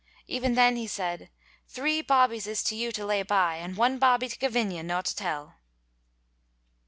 Even then he said, "Three bawbees is to you to lay by, and one bawbee to Gavinia no to tell."